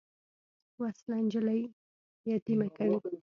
وسله نجلۍ یتیمه کوي